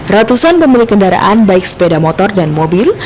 ratusan pemilik kendaraan baik sepeda motor dan mobil